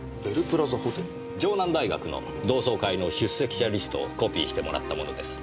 城南大学の同窓会の出席者リストをコピーしてもらったものです。